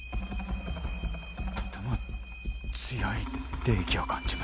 とても強い霊気を感じます。